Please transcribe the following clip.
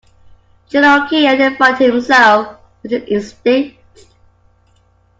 Cherokee identified himself with his instinct.